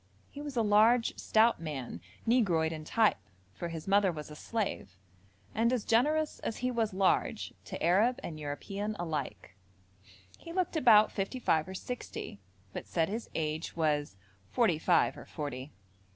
He was a large, stout man, negroid in type, for his mother was a slave, and as generous as he was large, to Arab and European alike. He looked about fifty five or sixty, but said his age was 'forty five or forty.'